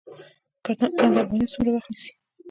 ګنډ افغاني څومره وخت نیسي؟